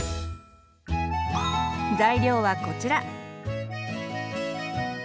材料はこちら。